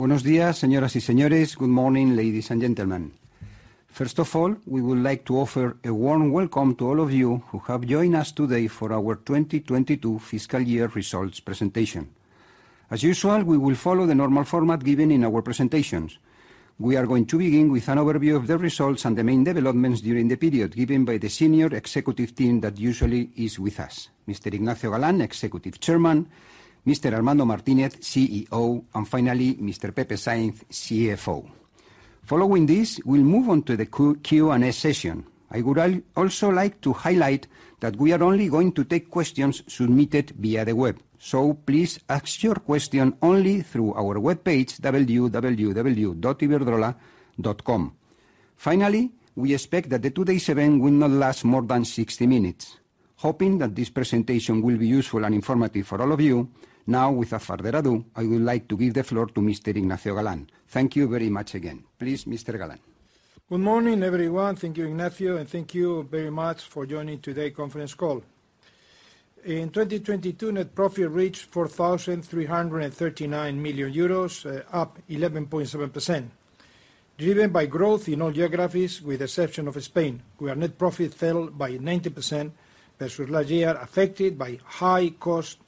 Buenos días, señoras señores. Good morning, ladies and gentlemen. First of all, we would like to offer a warm welcome to all of you who have joined us today for our 2022 Fiscal Year results presentation. As usual, we will follow the normal format given in our presentations. We are going to begin with an overview of the results and the main developments during the period given by the senior executive team that usually is with us. Mr. Ignacio Galán, Executive Chairman, Mr. Armando Martínez, CEO, and finally, Mr. Pepe Sainz, CFO. Following this, we'll move on to the Q&A session. I would also like to highlight that we are only going to take questions submitted via the web. Please ask your question only through our webpage, www.iberdrola.com. We expect that the today's event will not last more than 60 minutes. Hoping that this presentation will be useful and informative for all of you, now, without further ado, I would like to give the floor to Mr. Ignacio Galán. Thank you very much again. Please, Mr. Galán. Good morning, everyone. Thank you, Ignacio, and thank you very much for joining today conference call. In 2022, net profit reached 4,339 million euros, up 11.7%, driven by growth in all geographies, with exception of Spain, where net profit fell by 90% versus last year, affected by high cost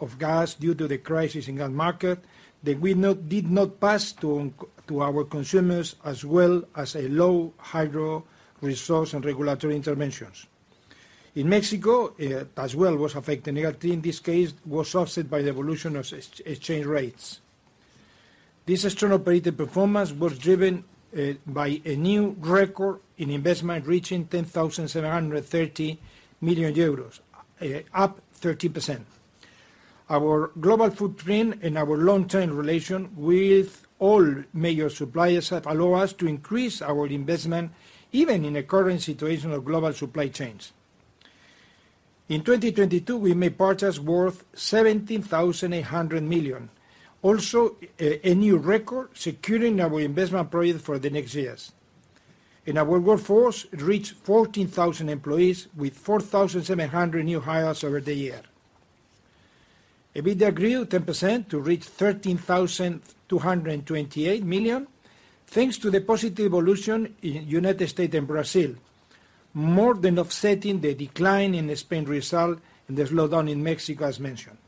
of gas due to the crisis in gas market, that we did not pass to our consumers, as well as a low hydro resource and regulatory interventions. In Mexico, as well, was affected negatively. In this case, was offset by the evolution of exchange rates. This extraordinary operating performance was driven by a new record in investment, reaching 10,730 million euros, up 30%. Our global footprint and our long-term relation with all major suppliers have allow us to increase our investment, even in the current situation of global supply chains. In 2022, we made purchase worth 17,800 million. Also a new record, securing our investment project for the next years. Our workforce reached 14,000 employees with 4,700 new hires over the year. EBITDA grew 10% to reach 13,228 million, thanks to the positive evolution in United States and Brazil, more than offsetting the decline in the Spain result and the slowdown in Mexico, as mentioned.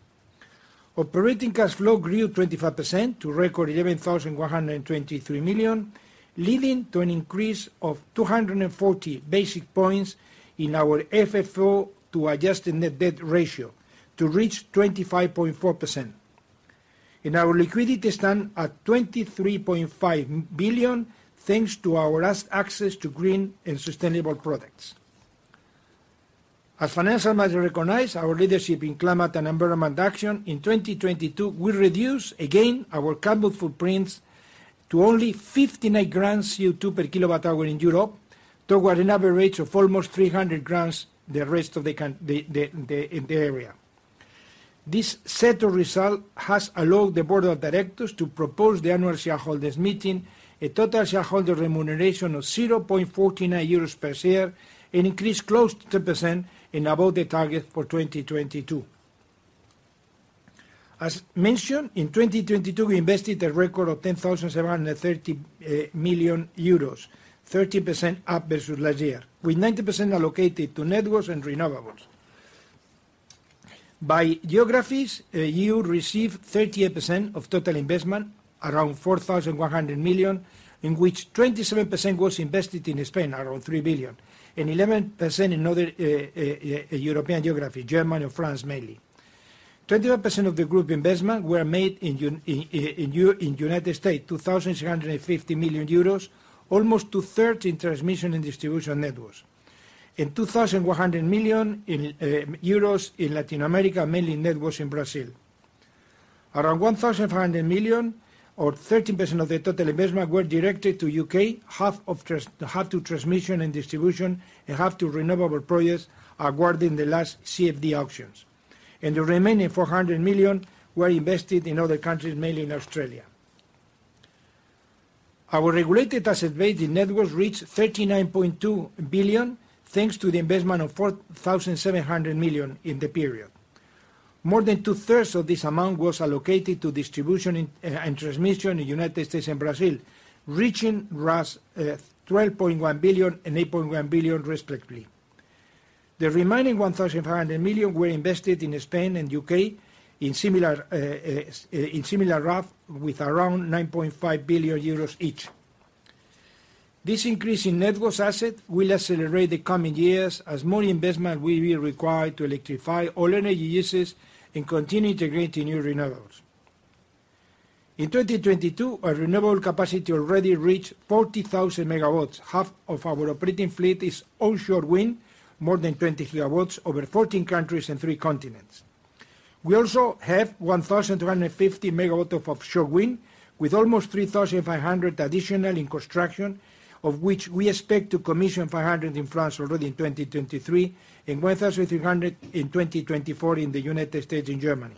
Operating cash flow grew 25% to record 11,123 million, leading to an increase of 240 basic points in our FFO to adjusted net debt ratio to reach 25.4%. Our liquidity stand at 23.5 billion, thanks to our last access to green and sustainable products. As financial measure recognize our leadership in climate and environment action, in 2022, we reduce again our carbon footprints to only 59 grams CO2 per kilowatt hour in Europe toward an average of almost 300 grams the rest of the area. This set of result has allowed the board of directors to propose the annual shareholders meeting a total shareholder remuneration of 0.49 euros per share, an increase close to 10% and above the target for 2022. As mentioned, in 2022, we invested a record of 10,730 million euros, 30% up versus last year, with 90% allocated to networks and renewables. By geographies, EU received 38% of total investment, around 4,100 million, in which 27% was invested in Spain, around 3 billion, and 11% in other European geography, Germany or France, mainly. 21% of the group investment were made in United States, 2,650 million euros, almost 2/3 in transmission and distribution networks. 2,100 million euros in Latin America, mainly networks in Brazil. Around 1,500 million or 13% of the total investment were directed to U.K., half to transmission and distribution and half to renewable projects acquired in the last CFD auctions. The remaining 400 million were invested in other countries, mainly in Australia. Our Regulated Asset Base in networks reached 39.2 billion, thanks to the investment of 4,700 million in the period. More than 2/3 of this amount was allocated to distribution and transmission in United States and Brazil, reaching RUS $12.1 billion and 8.1 billion respectively. The remaining 1,500 million were invested in Spain and U.K. in similar RAB with around 9.5 billion euros each. This increase in networks asset will accelerate the coming years as more investment will be required to electrify all energy uses and continue integrating new renewables. In 2022, our renewable capacity already reached 40,000 MW. Half of our operating fleet is offshore wind, more than 20 GW over 14 countries and three continents. We also have 1,250 megawatt of offshore wind, with almost 3,500 additional in construction, of which we expect to commission 500 in France already in 2023 and 1,300 in 2024 in the United States and Germany.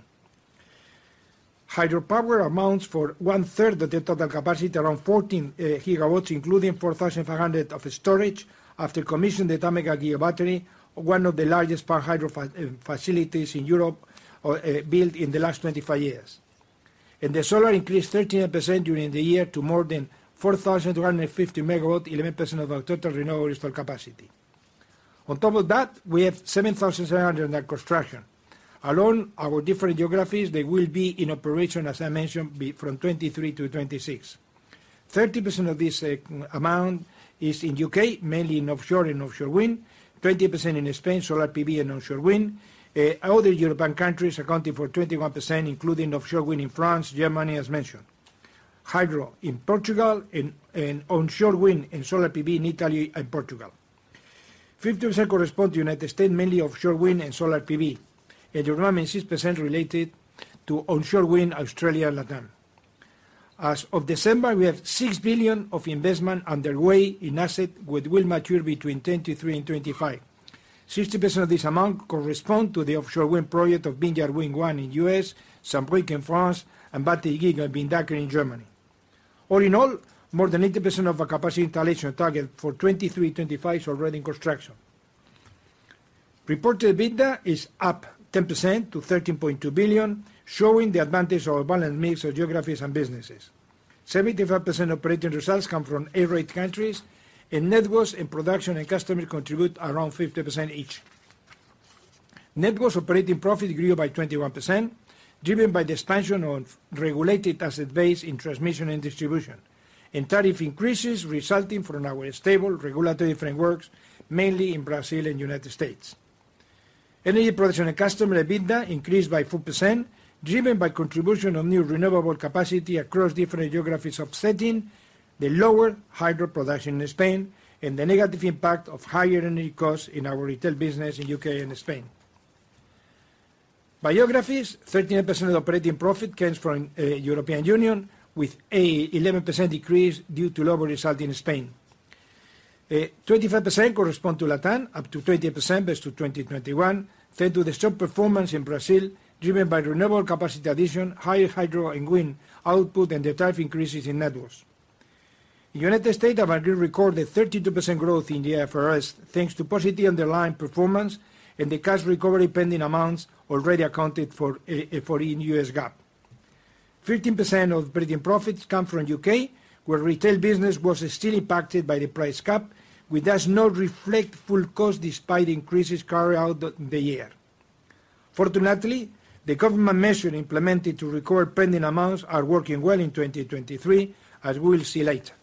Hydropower amounts for 1/3 of the total capacity, around 14 gigawatts, including 4,500 of storage after commissioning the Tâmega gigabattery, one of the largest power hydro facilities in Europe, built in the last 25 years. The solar increased 13% during the year to more than 4,250 megawatt, 11% of our total renewable installed capacity. On top of that, we have 7,000 under construction. Along our different geographies, they will be in operation, as I mentioned, from 2023 to 2026. 30% of this amount is in U.K., mainly in offshore and offshore wind, 20% in Spain, solar PV and offshore wind. Other European countries accounting for 21%, including offshore wind in France, Germany as mentioned. Hydro in Portugal and onshore wind and solar PV in Italy and Portugal. 50% correspond to U.S., mainly offshore wind and solar PV. The remaining 6% related to onshore wind, Australia and LATAM. As of December, we have 6 billion of investment underway in asset, which will mature between 2023 and 2025. 60% of this amount correspond to the offshore wind project of Vineyard Wind 1 in U.S., Saint-Brieuc in France and Windanker in Germany. All in all, more than 80% of our capacity installation target for 2023/2025 is already in construction. Reported EBITDA is up 10% to 13.2 billion, showing the advantage of our balanced mix of geographies and businesses. 75% operating results come from A rate countries and networks and production and customer contribute around 50% each. Networks operating profit grew by 21%, driven by the expansion of regulated asset base in transmission and distribution and tariff increases resulting from our stable regulatory frameworks, mainly in Brazil and United States. Energy production and customer EBITDA increased by 4%, driven by contribution of new renewable capacity across different geographies, offsetting the lower hydro production in Spain and the negative impact of higher energy costs in our retail business in U.K. and Spain. By geographies, 13% of operating profit comes from European Union, with an 11% decrease due to lower result in Spain. 25% correspond to LATAM, up to 30% versus to 2021, thanks to the strong performance in Brazil, driven by renewable capacity addition, higher hydro and wind output and the tariff increases in networks. United States, Avangrid recorded 32% growth in the IFRS, thanks to positive underlying performance and the cash recovery pending amounts already accounted for in U.S. GAAP. 13% of operating profits come from U.K., where retail business was still impacted by the price cap, which does not reflect full cost despite increases carried out the year. Fortunately, the government measure implemented to recover pending amounts are working well in 2023, as we'll see later.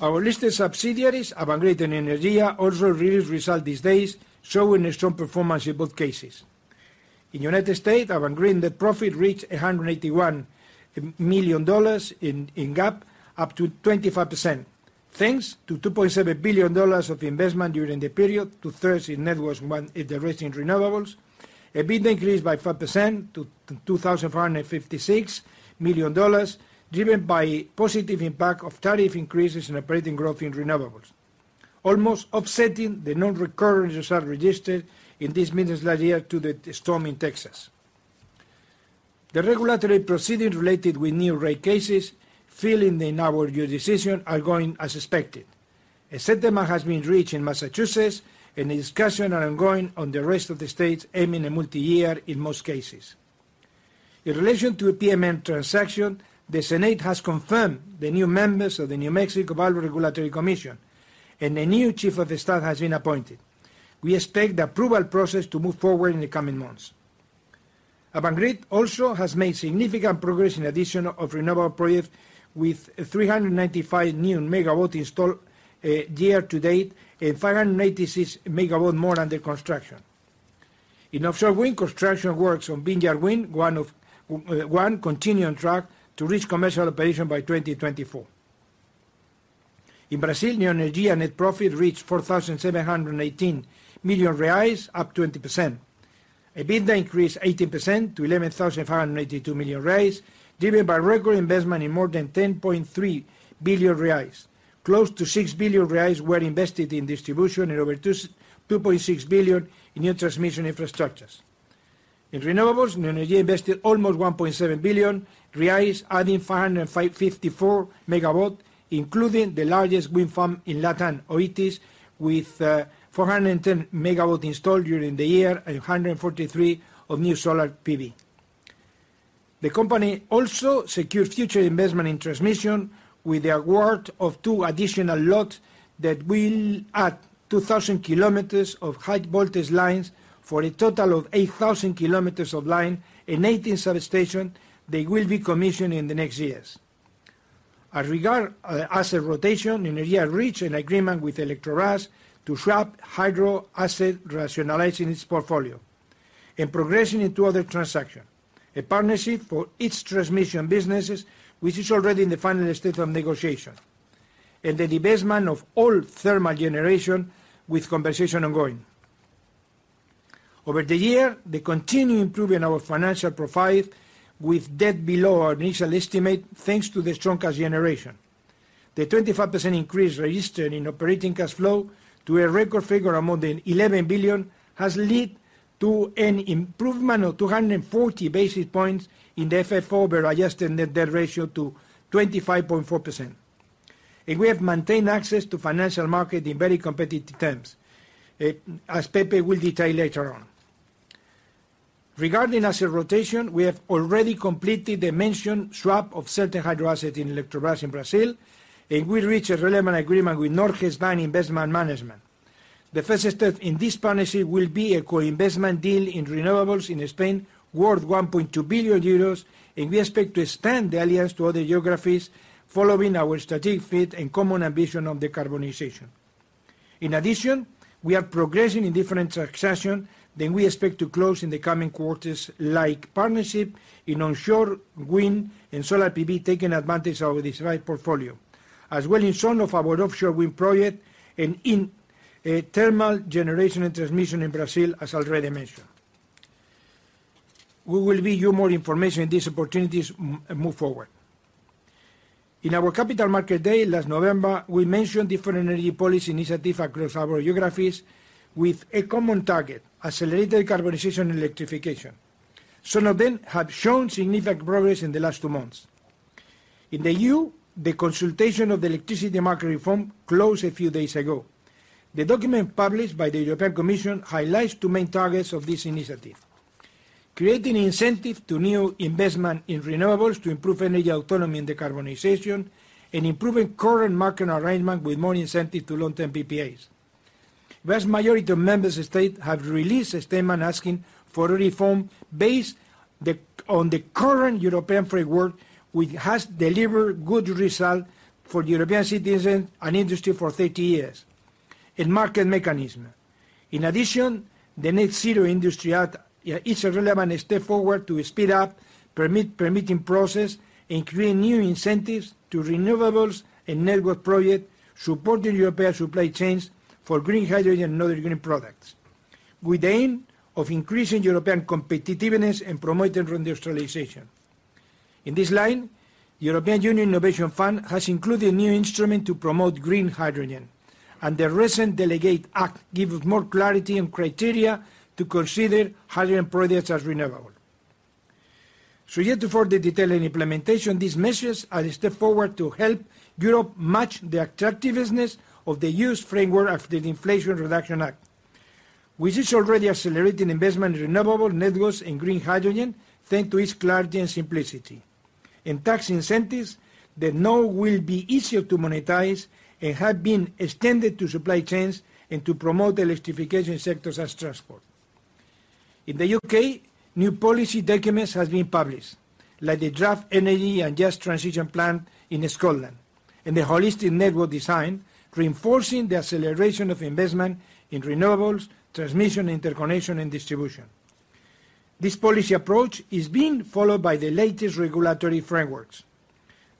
Our listed subsidiaries, Avangrid and Neoenergia, also released result these days, showing a strong performance in both cases. In United States, Avangrid net profit reached $181 million in GAAP, up to 25%, thanks to $2.7 billion of investment during the period, two-thirds in networks, one in the rest in renewables. EBITDA increased by 5% to $2,456 million, driven by positive impact of tariff increases and operating growth in renewables. Almost offsetting the non-recurring result registered in this business last year to the storm in Texas. The regulatory proceedings related with new rate cases filling in our jurisdiction are going as expected. A settlement has been reached in Massachusetts, and the discussion are ongoing on the rest of the states, aiming a multi-year in most cases. In relation to PNM transaction, the Senate has confirmed the new members of the New Mexico Public Regulation Commission, and a new chief of the staff has been appointed. We expect the approval process to move forward in the coming months. Avangrid also has made significant progress in addition of renewable project with 395 new megawatt installed, year to date and 586 MW more under construction. In offshore wind construction works on Vineyard Wind 1 continue on track to reach commercial operation by 2024. In Brazil, Neoenergia net profit reached 4,718 million reais, up 20%. EBITDA increased 18% to 11,582 million reais, driven by record investment in more than 10.3 billion reais. Close to 6 billion reais were invested in distribution and over 2.6 billion in new transmission infrastructures. In renewables, Neoenergia invested almost 1.7 billion reais, adding 554 MW, including the largest wind farm in LATAM, Oitis, with 410 MW installed during the year and 143 of new solar PV. The company also secured future investment in transmission with the award of two additional lots that will add 2,000 km of high voltage lines for a total of 8,000 kilometers of line and 18 substations that will be commissioned in the next years. As regards asset rotation, Neoenergia reached an agreement with Eletronorte to swap hydro assets, rationalizing its portfolio, and progressing in two other transactions. A partnership for its transmission businesses, which is already in the final stage of negotiation, and the divestment of all thermal generation with conversation ongoing. Over the year, the continued improving our financial profile with debt below our initial estimate, thanks to the strong cash generation. The 25% increase registered in operating cash flow to a record figure of more than 11 billion has led to an improvement of 240 basis points in the FFO over adjusted net debt ratio to 25.4%. We have maintained access to financial market in very competitive terms, as Pepe will detail later on. Regarding asset rotation, we have already completed the mentioned swap of certain hydro asset in Eletrobras in Brazil, and we reached a relevant agreement with Norges Bank Investment Management. The first step in this partnership will be a co-investment deal in renewables in Spain worth 1.2 billion euros, and we expect to expand the alliance to other geographies following our strategic fit and common ambition of decarbonization. In addition, we are progressing in different transaction that we expect to close in the coming quarters, like partnership in onshore wind and solar PV, taking advantage of this right portfolio. As well as some of our offshore wind project and in thermal generation and transmission in Brazil, as already mentioned. We will give you more information these opportunities move forward. In our Capital Market Day last November, we mentioned different energy policy initiative across our geographies with a common target: accelerated decarbonization electrification. Some of them have shown significant progress in the last two months. In the EU, the consultation of the electricity market reform closed a few days ago. The document published by the European Commission highlights two main targets of this initiative: creating incentive to new investment in renewables to improve energy autonomy and decarbonization, and improving current market arrangement with more incentive to long-term PPAs. Vast majority of members of state have released a statement asking for a reform based on the current European framework, which has delivered good result for European citizens and industry for 30 years in market mechanism. In addition, the Net Zero Industry Act is a relevant step forward to speed up permitting process and create new incentives to renewables and network project supporting European supply chains for green hydrogen and other green products, with the aim of increasing European competitiveness and promoting reindustrialization. In this line, European Union Innovation Fund has included a new instrument to promote green hydrogen, and the recent delegate act gives more clarity and criteria to consider hydrogen projects as renewable. Subject to further detail and implementation, these measures are a step forward to help Europe match the attractiveness of the U.S. framework of the Inflation Reduction Act, which is already accelerating investment in renewable networks and green hydrogen, thanks to its clarity and simplicity. In tax incentives, the now will be easier to monetize and have been extended to supply chains and to promote electrification sectors as transport. In the U.K., new policy documents have been published, like the Draft Energy and Just Transition Plan in Scotland and the Holistic Network Design, reinforcing the acceleration of investment in renewables, transmission, interconnection, and distribution. This policy approach is being followed by the latest regulatory frameworks.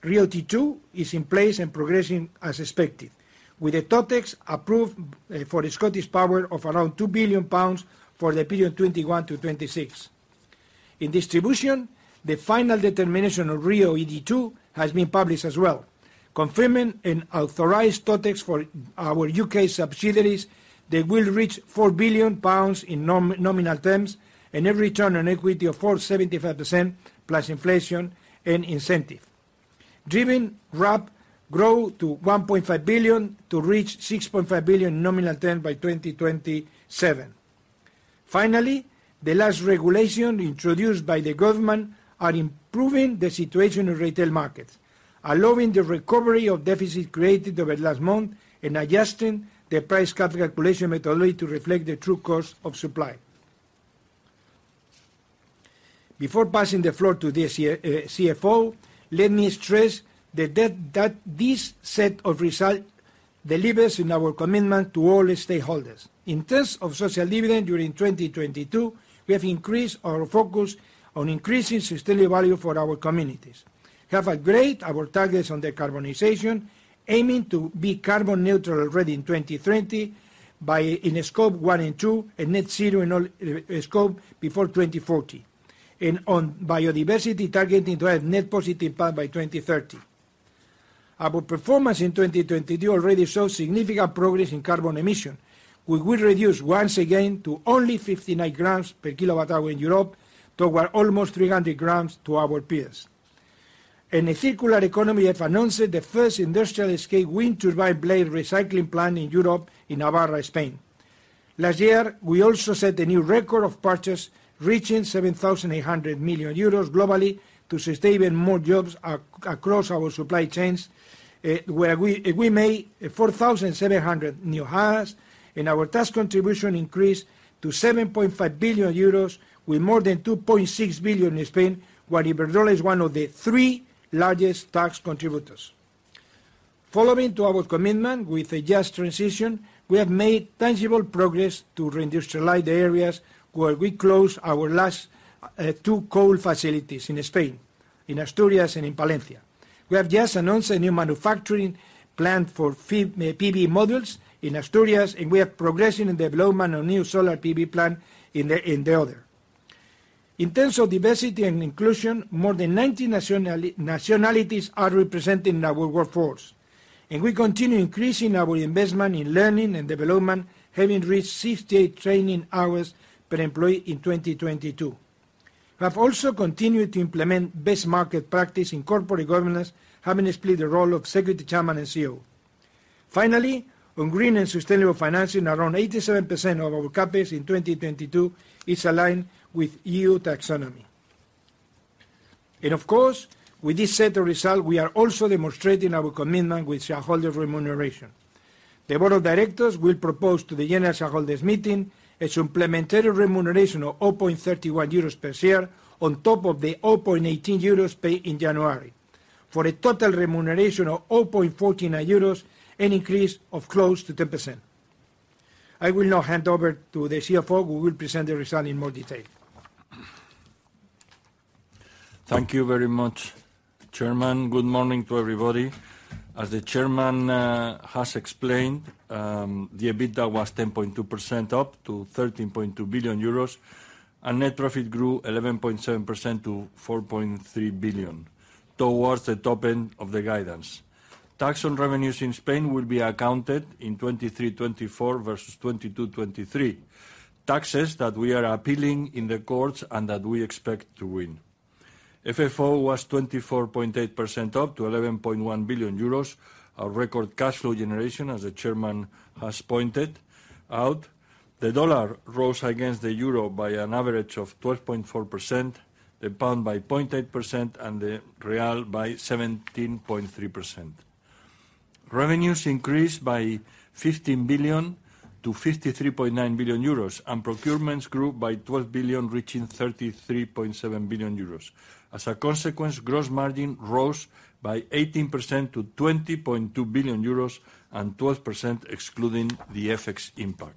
RIIO-2 is in place and progressing as expected, with the TOTEX approved for ScottishPower of around 2 billion pounds for the period 2021-2026. In distribution, the final determination of RIIO-ED2 has been published as well, confirming an authorized TOTEX for our UK subsidiaries that will reach 4 billion pounds in nominal terms and a return on equity of 4.75% plus inflation and incentive, driving RAB grow to 1.5 billion to reach 6.5 billion nominal term by 2027. The last regulation introduced by the government are improving the situation in retail markets, allowing the recovery of deficit created over the last month and adjusting the price cap calculation methodology to reflect the true cost of supply. Before passing the floor to the CFO, let me stress that this set of result delivers in our commitment to all stakeholders. In terms of social dividend during 2022, we have increased our focus on increasing sustainable value for our communities, have upgraded our targets on decarbonization, aiming to be carbon neutral already in 2030, in scope 1 and 2 and net zero in all scope before 2040, and on biodiversity, targeting to have net positive impact by 2030. Our performance in 2022 already shows significant progress in carbon emission. We will reduce once again to only 59 grams per kilowatt hour in Europe toward almost 300 grams to our peers. In the circular economy, I've announced the first industrial-scale wind turbine blade recycling plant in Europe in Navarra, Spain. Last year, we also set a new record of purchase, reaching 7,800 million euros globally to sustain even more jobs across our supply chains, where we made 4,700 new hires. Our tax contribution increased to 7.5 billion euros with more than 2.6 billion in Spain, where Iberdrola is one of the three largest tax contributors. Following to our commitment with a just transition, we have made tangible progress to reindustrialize the areas where we closed our last two coal facilities in Spain, in Asturias and in Palencia. We have just announced a new manufacturing plant for PV models in Asturias, and we are progressing in development of new solar PV plant in the other. In terms of diversity and inclusion, more than 90 nationalities are represented in our workforce, and we continue increasing our investment in learning and development, having reached 68 training hours per employee in 2022. We have also continued to implement best market practice in corporate governance, having split the role of executive chairman and CEO. Finally, on green and sustainable financing, around 87% of our CapEx in 2022 is aligned with EU taxonomy. Of course, with this set of results, we are also demonstrating our commitment with shareholder remuneration. The board of directors will propose to the annual shareholders meeting a supplementary remuneration of 0.31 euros per share on top of the 0.18 euros paid in January, for a total remuneration of 0.49 euros, an increase of close to 10%. I will now hand over to the CFO, who will present the result in more detail. Thank you very much, Chairman. Good morning to everybody. As the Chairman has explained, the EBITDA was 10.2% up to 13.2 billion euros, net profit grew 11.7% to 4.3 billion, towards the top end of the guidance. Tax on revenues in Spain will be accounted in 2024 versus 2023, taxes that we are appealing in the courts and that we expect to win. FFO was 24.8% up to 11.1 billion euros, our record cash flow generation, as the Chairman has pointed out. The dollar rose against the euro by an average of 12.4%, the pound by 0.8% and the real by 17.3%. Revenues increased by 15 billion to 53.9 billion euros, and procurements grew by 12 billion, reaching 33.7 billion euros. As a consequence, gross margin rose by 18% to 20.2 billion euros and 12% excluding the FX impact.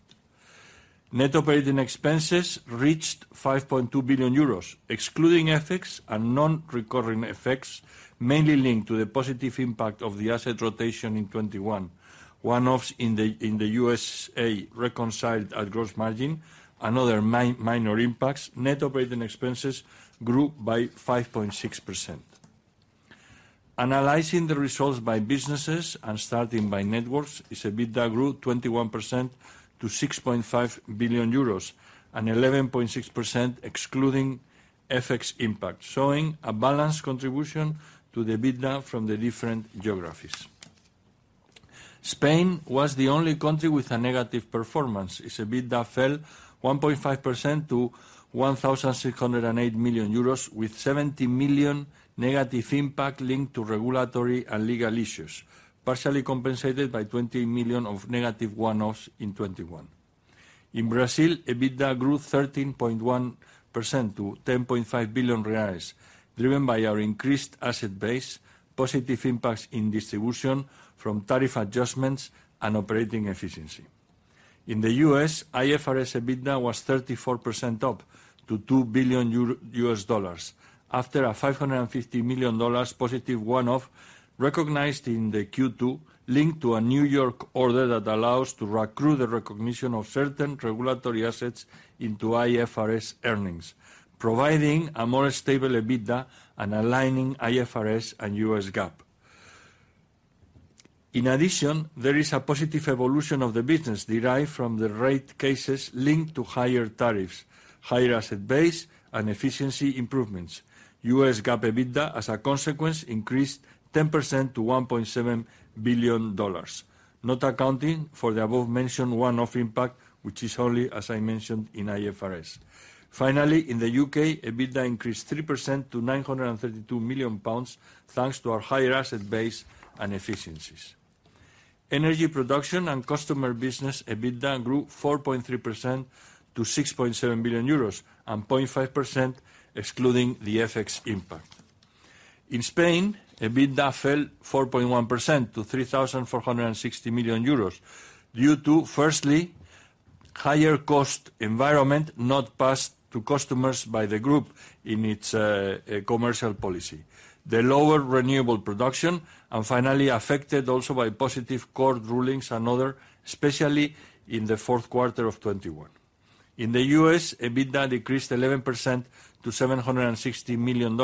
Net operating expenses reached 5.2 billion euros, excluding FX and non-recurring effects mainly linked to the positive impact of the asset rotation in 2021, one-offs in the USA, reconciled at gross margin, another minor impacts, net operating expenses grew by 5.6%. Analyzing the results by businesses and starting by networks, its EBITDA grew 21% to 6.5 billion euros and 11.6% excluding FX impact, showing a balanced contribution to the EBITDA from the different geographies. Spain was the only country with a negative performance. Its EBITDA fell 1.5% to 1,608 million euros with 70 million negative impact linked to regulatory and legal issues, partially compensated by 20 million of negative one-offs in 2021. In Brazil, EBITDA grew 13.1% to 10.5 billion reais, driven by our increased asset base, positive impacts in distribution from tariff adjustments and operating efficiency. In the U.S., IFRS EBITDA was 34% up to $2 billion after a $550 million positive one-off recognized in the Q2, linked to a New York order that allows to accrue the recognition of certain regulatory assets into IFRS earnings, providing a more stable EBITDA and aligning IFRS and U.S. GAAP. In addition, there is a positive evolution of the business derived from the rate cases linked to higher tariffs, higher asset base and efficiency improvements. U.S. GAAP EBITDA, as a consequence, increased 10% to $1.7 billion, not accounting for the above-mentioned one-off impact, which is only, as I mentioned, in IFRS. In the U.K., EBITDA increased 3% to GBP 932 million, thanks to our higher asset base and efficiencies. Energy production and customer business EBITDA grew 4.3% to 6.7 billion euros and 0.5% excluding the FX impact. In Spain, EBITDA fell 4.1% to 3,460 million euros due to, firstly, higher cost environment not passed to customers by the group in its commercial policy, the lower renewable production, and finally affected also by positive court rulings and other, especially in the Q4 of 2021. In the U.S., EBITDA decreased 11% to $760 million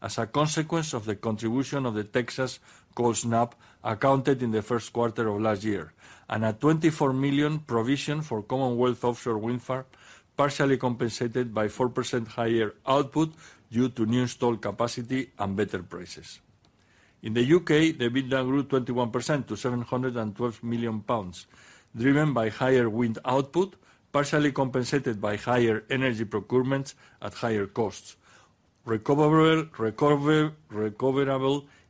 as a consequence of the contribution of the Texas cold snap accounted in the Q1 of last year and a $24 million provision for Commonwealth offshore wind farm, partially compensated by 4% higher output due to new installed capacity and better prices. In the U.K., the EBITDA grew 21% to 712 million pounds, driven by higher wind output, partially compensated by higher energy procurements at higher costs, recoverable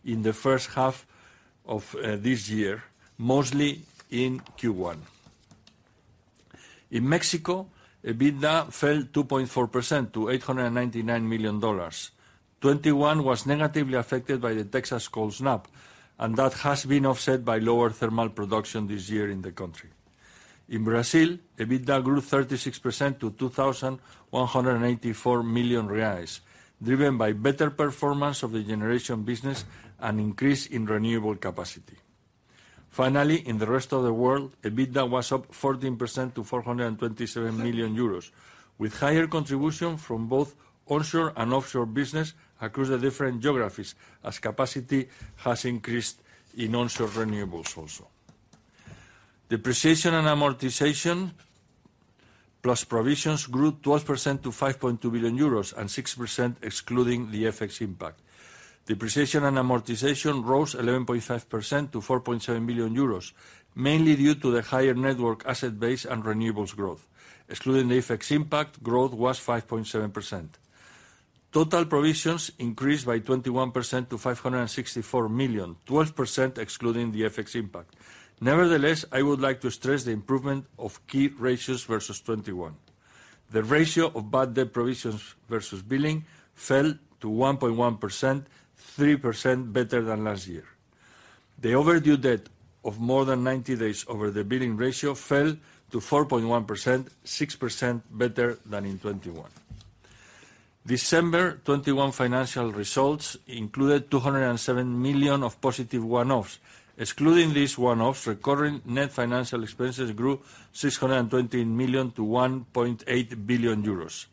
in the first half of this year, mostly in Q1. In Mexico, EBITDA fell 2.4% to $899 million. 2021 was negatively affected by the Texas cold snap, That has been offset by lower thermal production this year in the country. In Brazil, EBITDA grew 36% to 2,184 million reais, driven by better performance of the generation business and increase in renewable capacity. In the rest of the world, EBITDA was up 14% to 427 million euros, with higher contribution from both onshore and offshore business across the different geographies as capacity has increased in onshore renewables also. Depreciation and amortization plus provisions grew 12% to 5.2 billion euros, 6% excluding the FX impact. Depreciation and amortization rose 11.5% to 4.7 billion euros, mainly due to the higher network asset base and renewables growth. Excluding the FX impact, growth was 5.7%. Total provisions increased by 21% to 564 million EUR, 12% excluding the FX impact. I would like to stress the improvement of key ratios versus 2021. The ratio of bad debt provisions versus billing fell to 1.1%, 3% better than last year. The overdue debt of more than 90 days over the billing ratio fell to 4.1%, 6% better than in 2021. December 2021 financial results included 207 million of positive one-offs. Excluding these one-offs, recurring net financial expenses grew 620 million to 1.8 billion euros.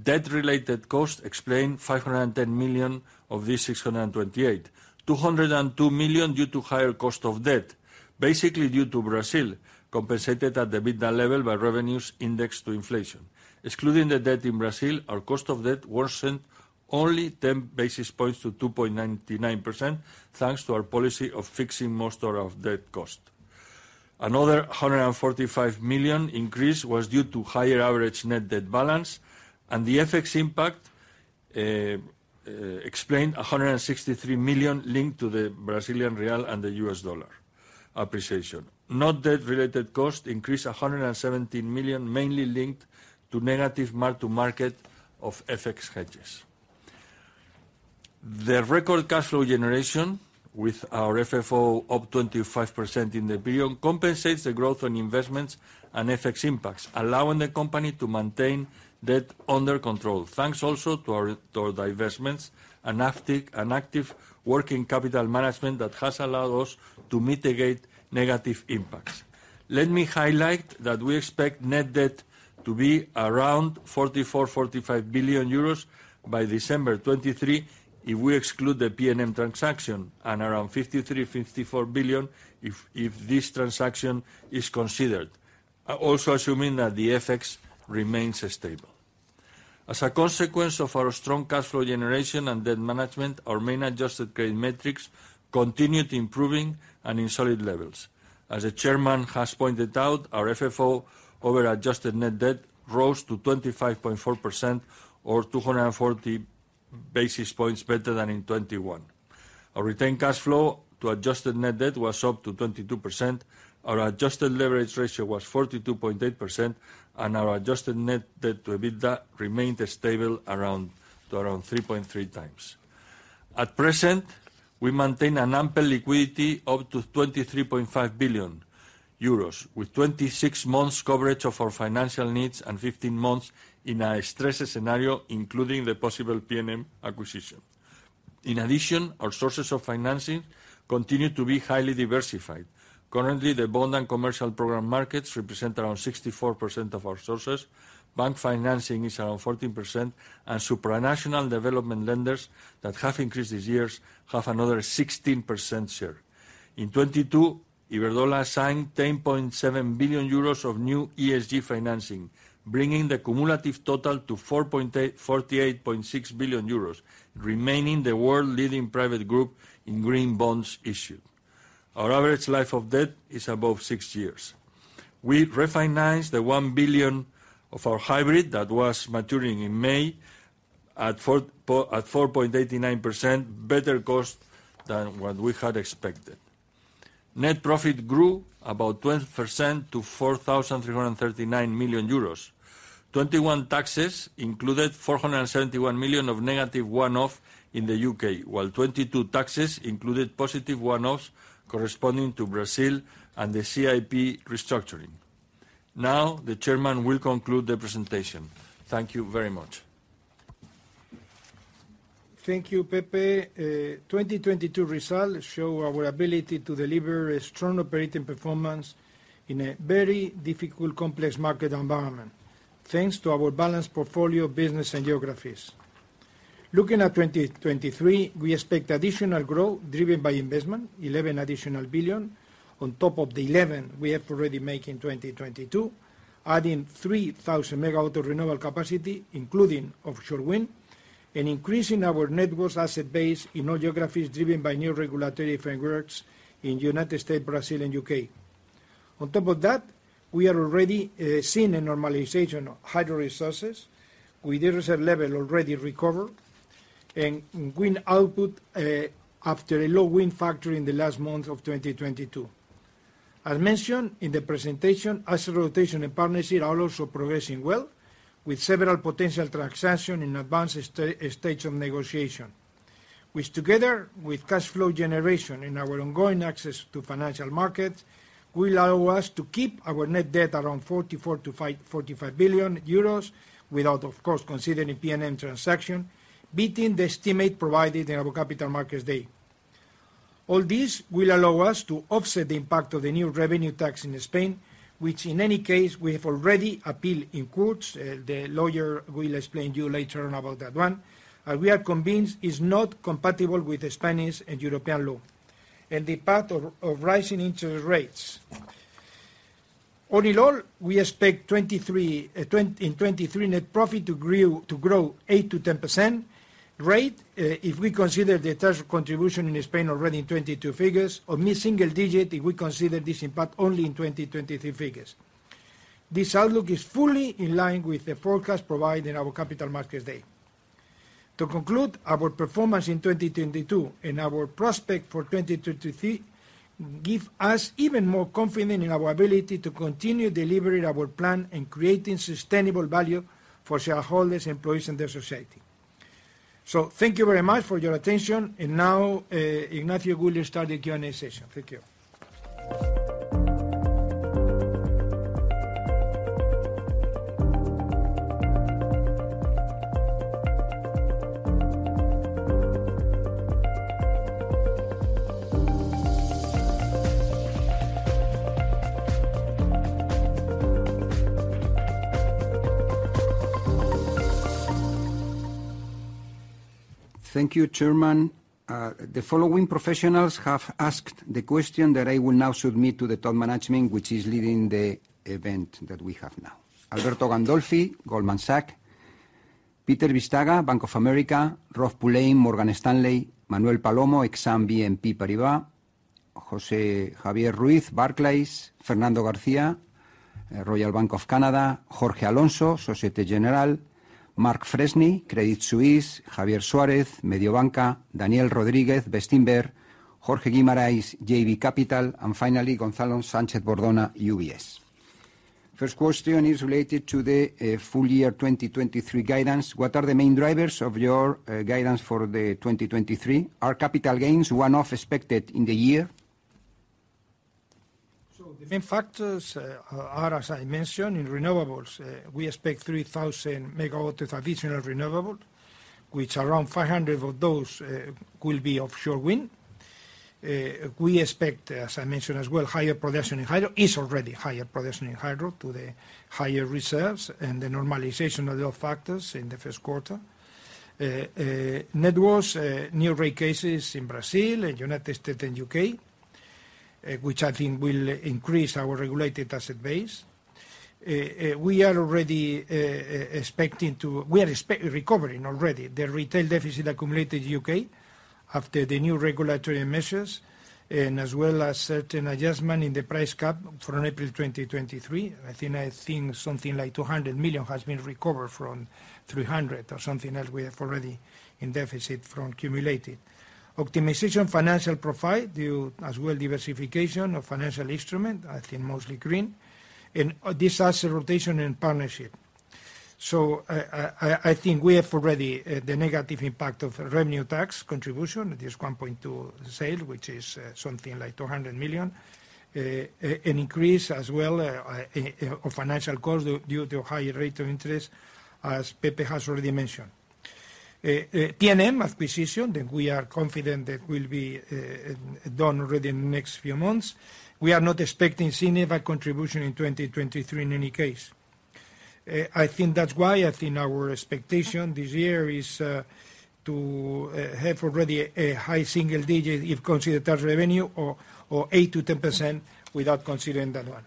Debt-related costs explained 510 million of these 628 million. 202 million due to higher cost of debt, basically due to Brazil, compensated at the mid-year level by revenues indexed to inflation. Excluding the debt in Brazil, our cost of debt worsened only 10 basis points to 2.99%, thanks to our policy of fixing most of our debt cost. Another 145 million increase was due to higher average net debt balance, and the FX impact explained 163 million linked to the Brazilian real and the US dollar appreciation. Not debt related cost increased 117 million, mainly linked to negative mark to market of FX hedges. The record cash flow generation with our FFO up 25% in the billion compensates the growth on investments and FX impacts, allowing the company to maintain debt under control. Thanks also to our divestments and an active working capital management that has allowed us to mitigate negative impacts. Let me highlight that we expect net debt to be around 44 billion-45 billion euros by December 2023, if we exclude the PNM transaction, and around 53 billion-54 billion if this transaction is considered, also assuming that the FX remains stable. As a consequence of our strong cash flow generation and debt management, our main adjusted credit metrics continued improving and in solid levels. As the Chairman has pointed out, our FFO over adjusted net debt rose to 25.4% or 240 basis points better than in 2021. Our retained cash flow to adjusted net debt was up to 22%. Our adjusted leverage ratio was 42.8%. Our adjusted net debt to EBITDA remained stable to around 3.3x. At present, we maintain an ample liquidity up to 23.5 billion euros, with 26 months coverage of our financial needs and 15 months in a stressful scenario, including the possible PNM acquisition. In addition, our sources of financing continue to be highly diversified. Currently, the bond and commercial program markets represent around 64% of our sources. Bank financing is around 14%, and supranational development lenders that have increased these years have another 16% share. In 2022, Iberdrola signed 10.7 billion euros of new ESG financing, bringing the cumulative total to 48.6 billion euros, remaining the world-leading private group in green bonds issued. Our average life of debt is above six years. We refinanced the 1 billion of our hybrid that was maturing in May at 4.89%, better cost than what we had expected. Net profit grew about 12% to 4,339 million euros. 2021 taxes included 471 million of negative one-off in the UK, while 2022 taxes included positive one-offs corresponding to Brazil and the CIP restructuring. The chairman will conclude the presentation. Thank you very much. Thank you, Pepe. 2022 results show our ability to deliver a strong operating performance in a very difficult, complex market environment, thanks to our balanced portfolio of business and geographies. Looking at 2023, we expect additional growth driven by investment, 11 additional billion on top of the 11 billion we have already made in 2022, adding 3,000 megawatt of renewable capacity, including offshore wind, and increasing our networks asset base in all geographies driven by new regulatory frameworks in United States, Brazil, and U.K. On top of that, we are already seeing a normalization of hydro resources with the reserve level already recovered and wind output after a low wind factor in the last month of 2022. As mentioned in the presentation, asset rotation and partnership are also progressing well with several potential transaction in advanced stage of negotiation, which together with cash flow generation and our ongoing access to financial markets, will allow us to keep our net debt around 44 billion-45 billion euros without, of course, considering PNM transaction, beating the estimate provided in our Capital Markets Date. All this will allow us to offset the impact of the new revenue tax in Spain, which in any case, we have already appealed in courts. The lawyer will explain to you later on about that one. We are convinced it's not compatible with the Spanish and European law. The path of rising interest rates. All in all, we expect in 2023 net profit to grow 8%-10% rate if we consider the tax contribution in Spain already in 2022 figures, or mid-single digit if we consider this impact only in 2023 figures. This outlook is fully in line with the forecast provided in our capital markets day. To conclude, our performance in 2022 and our prospect for 2023 give us even more confidence in our ability to continue delivering our plan and creating sustainable value for shareholders, employees and the society. Thank you very much for your attention. Now, Ignacio will start the Q&A session. Thank you. Thank you, Chairman. The following professionals have asked the question that I will now submit to the top management, which is leading the event that we have now. Alberto Gandolfi, Goldman Sachs; Peter Bisztyga, Bank of America; Robert Pulleyn, Morgan Stanley; Manuel Palomo, Exane BNP Paribas; José Javier Ruiz, Barclays; Fernando Garcia, Royal Bank of Canada; Jorge Alonso, Societe Generale; Mark Freshney, Credit Suisse; Javier Suarez, Mediobanca; Daniel Rodríguez, Bestinver; Jorge Guimaraes, JB Capital; Finally, Gonzalo Sánchez-Bordona, UBS. First question is related to the full year 2023 guidance. What are the main drivers of your guidance for the 2023? Are capital gains one-off expected in the year? The main factors are, as I mentioned, in renewables. We expect 3,000 MW of additional renewable, which around 500 of those will be offshore wind. We expect, as I mentioned as well, higher production in hydro, is already higher production in hydro to the higher reserves and the normalization of the factors in the Q1. Networks, new rate cases in Brazil, in United States and U.K., which I think will increase our regulated asset base. We are already recovering the retail deficit accumulated U.K. after the new regulatory measures and as well as certain adjustment in the price cap from April 2023. I think something like 200 million has been recovered from 300 or something that we have already in deficit from accumulated. Optimization financial profile due, as well diversification of financial instrument, I think mostly green. This asset rotation and partnership. I think we have already the negative impact of revenue tax contribution. It is 1.2 sale, which is something like 200 million. An increase as well of financial costs due to higher rate of interest, as Pepe has already mentioned. PNM acquisition that we are confident that will be done already in the next few months. We are not expecting significant contribution in 2023 in any case. I think that's why I think our expectation this year is to have already a high single digit if considered as revenue or 8%-10% without considering that one.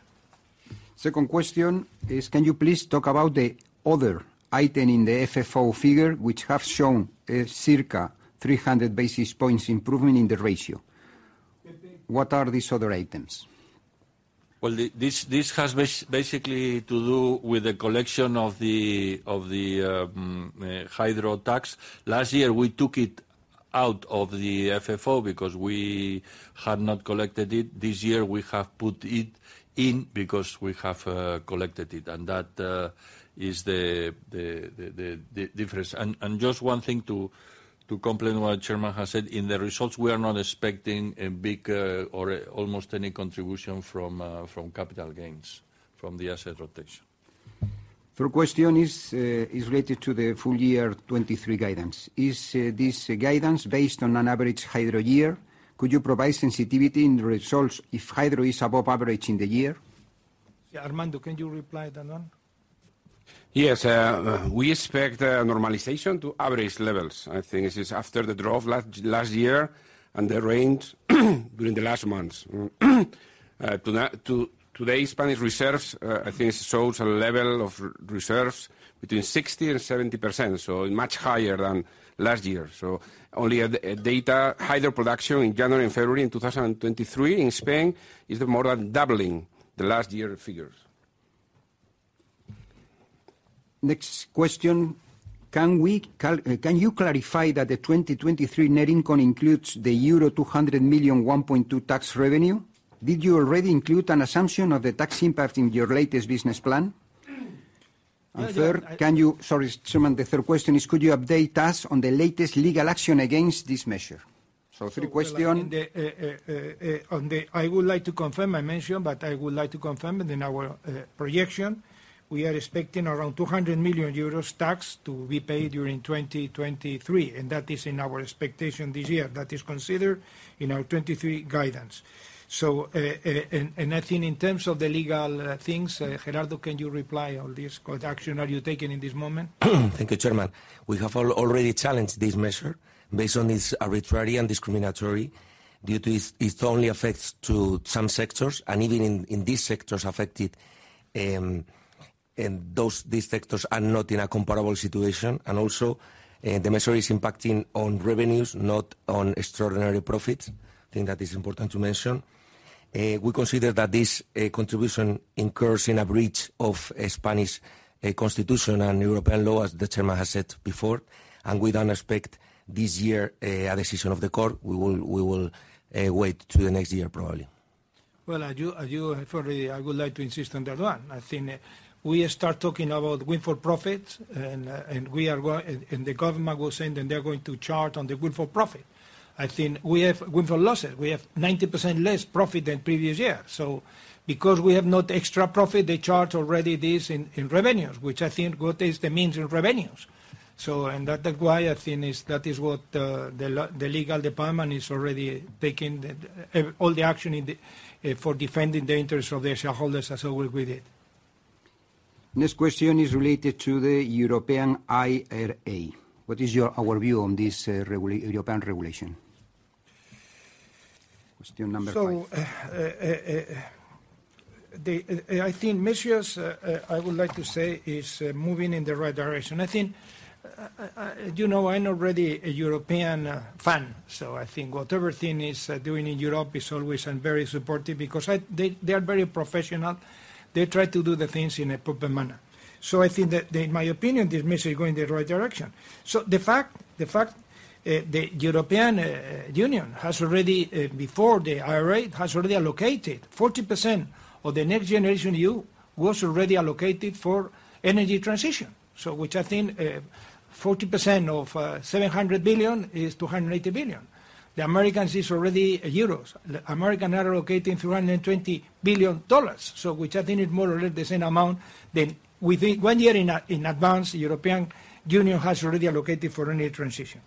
Second question is, can you please talk about the other item in the FFO figure which have shown, circa 300 basis points improvement in the ratio? Pepe. What are these other items? Well, this has basically to do with the collection of the hydro tax. Last year, we took it out of the FFO because we had not collected it. This year we have put it in because we have collected it. That is the difference. Just one thing to complement what chairman has said. In the results, we are not expecting a big or almost any contribution from capital gains from the asset rotation. Third question is related to the full year 2023 guidance. Is this guidance based on an average hydro year? Could you provide sensitivity in the results if hydro is above average in the year? Yeah, Armando, can you reply that one? Yes. We expect a normalization to average levels. I think it is after the drop last year and the rain during the last months. Today's Spanish reserves, I think shows a level of reserves between 60% and 70%, so much higher than last year. Only, data hydro production in January and February in 2023 in Spain is more than doubling the last year figures. Next question: Can you clarify that the 2023 net income includes the euro 200 million 1.2 tax revenue? Did you already include an assumption of the tax impact in your latest business plan? Yeah, yeah. Third, Sorry, Chairman, the third question is could you update us on the latest legal action against this measure? three question. I would like to confirm, I mentioned, but I would like to confirm it in our projection. We are expecting around 200 million euros tax to be paid during 2023, and that is in our expectation this year. That is considered in our 2023 guidance. I think in terms of the legal things, Gerardo, can you reply on this court action are you taking in this moment? Thank you, Chairman. We have already challenged this measure based on its arbitrary and discriminatory due to it only affects to some sectors and even in these sectors affected, These sectors are not in a comparable situation. Also, the measure is impacting on revenues, not on extraordinary profits. I think that is important to mention. We consider that this contribution incurs in a breach of Spanish Constitution and European law, as the Chairman has said before. We don't expect this year a decision of the court. We will wait to the next year probably. As you have already, I would like to insist on that one. I think we start talking about windfall profits and the government was saying that they're going to charge on the windfall profit. I think we have windfall losses. We have 90% less profit than previous year. Because we have not extra profit, they charge already this in revenues, which I think what is the means of revenues. That require a thing is, that is what the legal department is already taking all the action for defending the interest of the shareholders as always we did. Next question is related to the European IRA. What is our view on this European regulation? Question number five. The I think measures I would like to say, is moving in the right direction. I think, you know, I'm already a European fan, I think whatever thing is doing in Europe is always I'm very supportive because they are very professional. They try to do the things in a proper manner. I think In my opinion, this measure is going in the right direction. The fact, the European Union has already, before the IRA, has already allocated 40% of the Next Generation EU was already allocated for energy transition. Which I think, 40% of 700 billion is 280 billion. The Americans is already euros. The American are allocating $320 billion, which I think is more or less the same amount than within one year in advance, the European Union has already allocated for energy transition.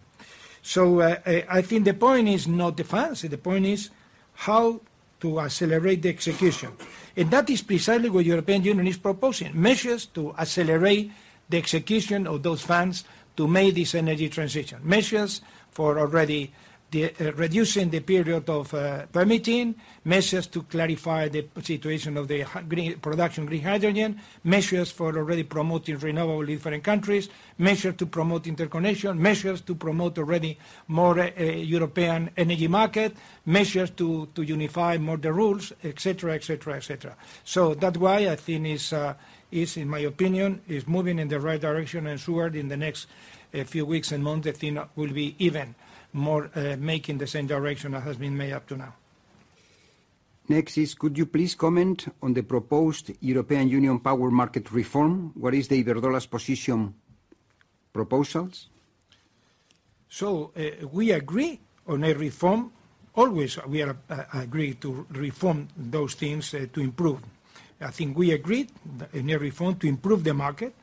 I think the point is not the funds. The point is how to accelerate the execution. That is precisely what European Union is proposing, measures to accelerate the execution of those funds to make this energy transition. Measures for already the reducing the period of permitting. Measures to clarify the situation of the green production, green hydrogen. Measures for already promoting renewable different countries. Measure to promote interconnection. Measures to promote already more European energy market. Measures to unify more the rules, et cetera, et cetera, et cetera. That why I think it's in my opinion, is moving in the right direction. Sure in the next few weeks and months, I think that will be even more making the same direction that has been made up to now. Next is could you please comment on the proposed European Union power market reform? What is Iberdrola's position proposals? We agree on a reform. Always we agree to reform those things to improve. I think we agreed in a reform to improve the market,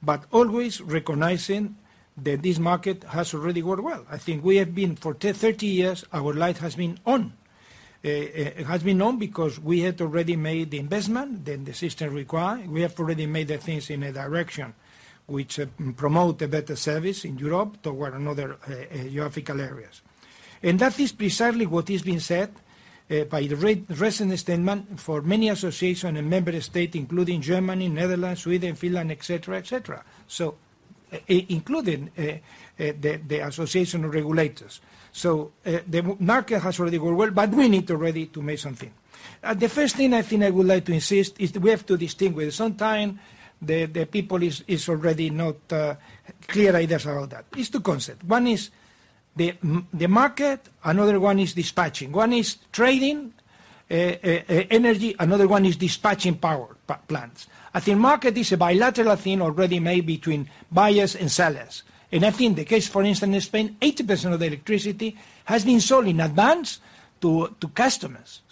but always recognizing that this market has already worked well. I think we have been for 30 years, our light has been on. It has been on because we had already made the investment that the system require. We have already made the things in a direction which promote a better service in Europe toward another geographical areas. That is precisely what is being said by the recent statement for many association and member state, including Germany, Netherlands, Sweden, Finland, et cetera, et cetera. Including the association regulators. The market has already worked well, but we need already to make something. The first thing I think I would like to insist is we have to distinguish. Sometimes the people is already not clear ideas about that. It's two concepts. One is the market, another one is dispatching. One is trading energy, another one is dispatching power plants. I think market is a bilateral thing already made between buyers and sellers. I think the case, for instance, in Spain, 80% of the electricity has been sold in advance to customers.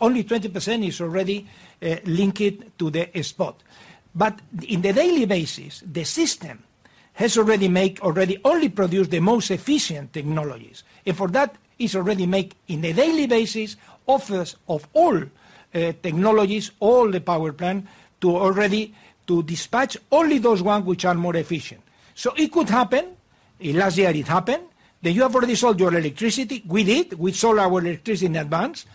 Only 20% is already linked to the spot. In the daily basis, the system has already only produce the most efficient technologies. For that, is already make, in a daily basis, offers of all technologies, all the power plant to dispatch only those one which are more efficient. It could happen, and last year it happened, that you have already sold your electricity. We did. We sold our electricity in advance.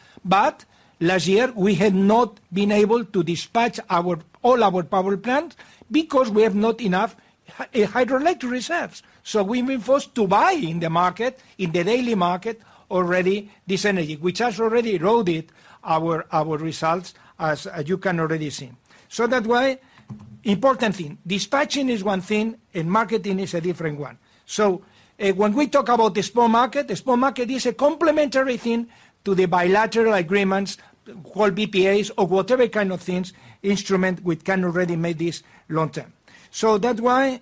Last year, we had not been able to dispatch our, all our power plant because we have not enough hydroelectric reserves. We've been forced to buy in the market, in the daily market already this energy, which has already eroded our results, as you can already see. That why important thing, dispatching is one thing and marketing is a different one. When we talk about the spot market, the spot market is a complementary thing to the bilateral agreements called PPAs or whatever kind of things, instrument, we can already make this long term. That why,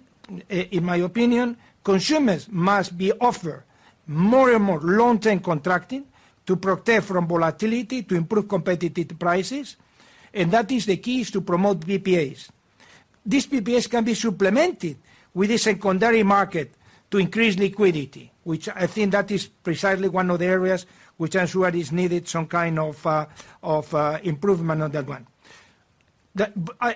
in my opinion, consumers must be offered more and more long-term contracting to protect from volatility, to improve competitive prices, and that is the key is to promote PPAs. These PPAs can be supplemented with the secondary market to increase liquidity, which I think that is precisely one of the areas which I'm sure is needed some kind of improvement on that one. The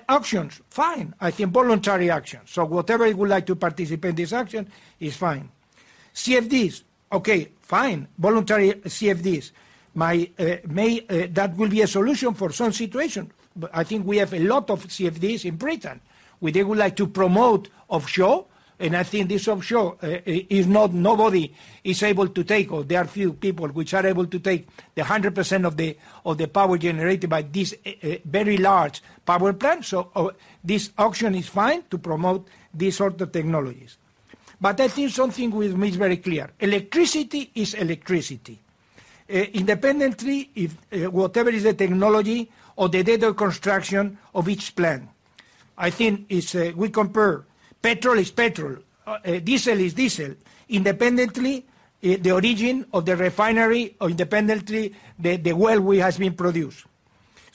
actions, fine. I think voluntary action. Whatever you would like to participate in this action is fine. CFDs, okay, fine. Voluntary CFDs. That will be a solution for some situation. I think we have a lot of CFDs in Britain where they would like to promote offshore. I think this offshore is not nobody is able to take or there are few people which are able to take the 100% of the power generated by this very large power plant. This auction is fine to promote these sort of technologies. I think something which is very clear: electricity is electricity. Independently if whatever is the technology or the date of construction of each plant. We compare petrol is petrol, diesel is diesel, independently the origin of the refinery or independently the well where it has been produced.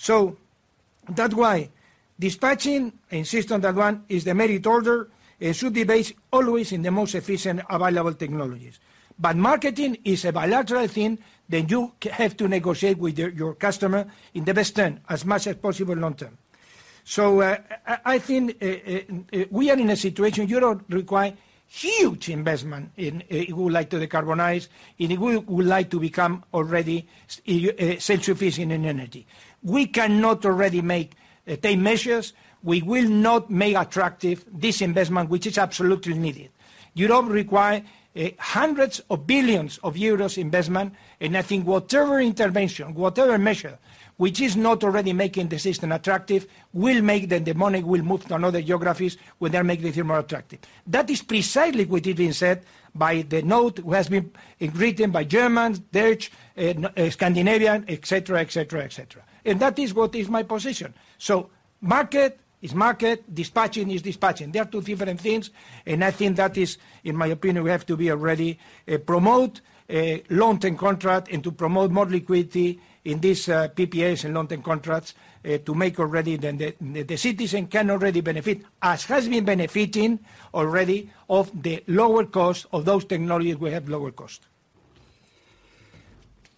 That why dispatching, insist on that one, is the merit order. It should be based always in the most efficient available technologies. Marketing is a bilateral thing that you have to negotiate with your customer in the best term, as much as possible long term. I think we are in a situation Europe require huge investment in who like to decarbonize and who like to become already zero emission in energy. We cannot already make take measures. We will not make attractive this investment, which is absolutely needed. Europe require hundreds of billions of EUR investment. I think whatever intervention, whatever measure which is not already making the system attractive will make the money will move to another geographies where they make the thing more attractive. That is precisely what has been said by the note who has been written by Germans, Dutch, and Scandinavian, et cetera, et cetera, et cetera. That is what is my position. Market is market, dispatching is dispatching. They are two different things, and I think that is. In my opinion, we have to be already promote a long-term contract and to promote more liquidity in this PPAs and long-term contracts, to make already then the citizen can already benefit, as has been benefiting already of the lower cost of those technologies we have lower cost.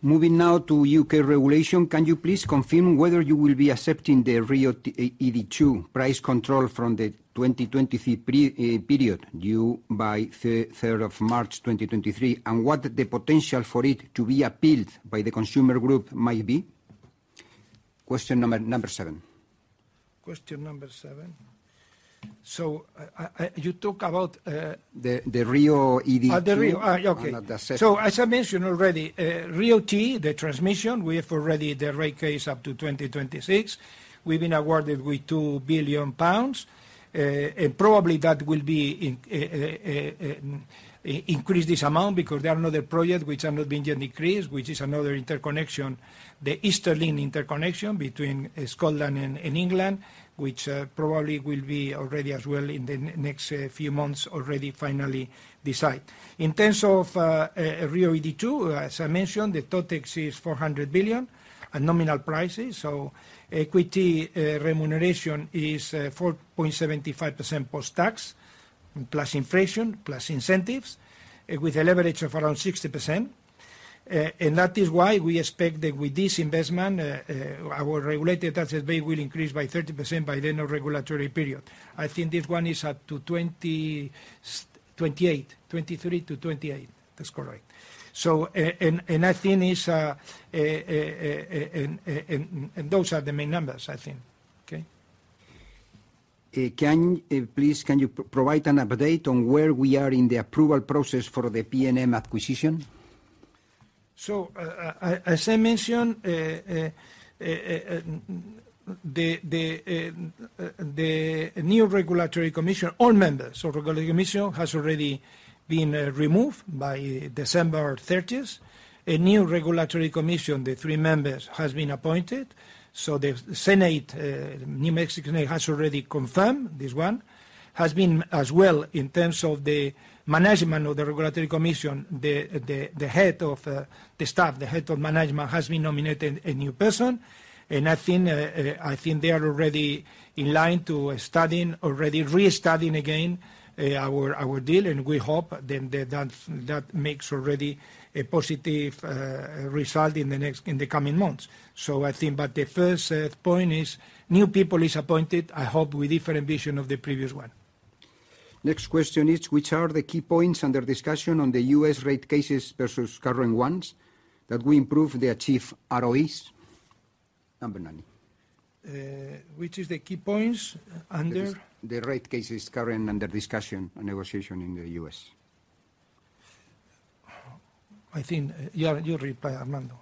Moving now to U.K. regulation, can you please confirm whether you will be accepting the RIIO-ED2 price control from the 2023 period due by 3rd of March 2023, and what the potential for it to be appealed by the consumer group might be? Question number seven. Question number seven. You talk about. The RIIO-ED2. The RIIO. Okay. Under the second. As I mentioned already, RIIO-T, the transmission, we have already the rate case up to 2026. We've been awarded with 2 billion pounds. Probably that will be in, increase this amount because there are another project which are not being yet increased, which is another interconnection, the Eastern Green Link interconnection between Scotland and England, which probably will be already as well in the next few months already finally decide. In terms of RIIO-ED2, as I mentioned, the TOTEX is 400 billion at nominal prices, so equity remuneration is 4.75% post-tax, plus inflation, plus incentives, with a leverage of around 60%. That is why we expect that with this investment, our Regulated Asset Base will increase by 30% by the end of regulatory period. I think this one is up to 28. 23-28. That's correct. And those are the main numbers, I think. Okay. Can you provide an update on where we are in the approval process for the PNM acquisition? As I mentioned, the new Regulatory Commission, all members of Regulatory Commission has already been removed by December 30th. A new Regulatory Commission, the three members, has been appointed. The Senate, New Mexico Senate has already confirmed this one. Has been as well in terms of the management of the Regulatory Commission, the head of the staff, the head of management, has been nominated a new person. I think they are already in line to studying, already restudying again, our deal, and we hope then that makes already a positive result in the coming months. I think. The first point is new people is appointed, I hope with different vision of the previous one. Next question is, which are the key points under discussion on the U.S. rate cases versus current ones that will improve the achieved ROEs? Number nine. Which is the key points. The rate cases current under discussion or negotiation in the U.S. I think you reply, Armando.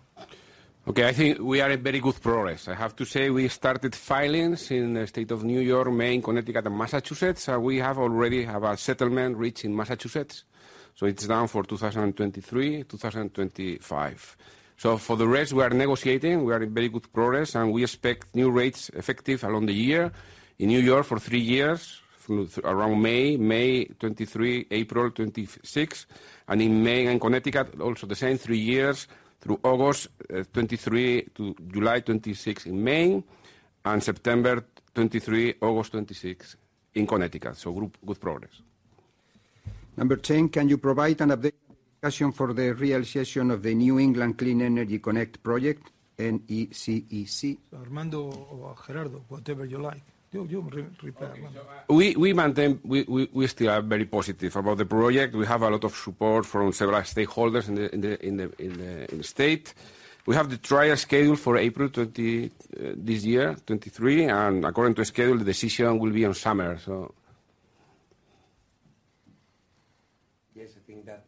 I think we are in very good progress. I have to say we started filings in the state of New York, Maine, Connecticut, and Massachusetts. We already have a settlement reached in Massachusetts, it's down for 2023-2025. For the rest, we are negotiating. We are in very good progress, we expect new rates effective along the year. In New York for three years, through around May 2023-April 2026. In Maine and Connecticut, also the same, three through August 2023-July 2026 in Maine, and September 2023-August 2026 in Connecticut. Good progress. Number 10, can you provide an update for the realization of the New England Clean Energy Connect project, NECEC? Armando or Gerardo, whatever you like. You re-reply. We maintain. We still are very positive about the project. We have a lot of support from several stakeholders in the state. We have the trial schedule for April 20, this year, 2023. According to schedule, the decision will be in summer. Yes, I think that